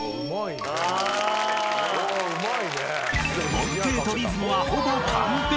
［音程とリズムはほぼ完璧！］